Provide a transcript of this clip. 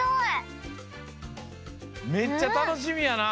めっちゃたのしみやな。